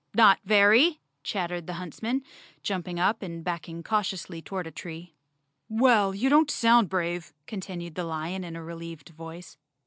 "Not very," chattered the huntsman, jumping up and backing cautiously toward a tree. "Well, you don't sound brave," continued the lion in a relieved voice.